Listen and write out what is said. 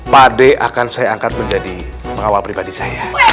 pak d akan saya angkat menjadi pengawal pribadi saya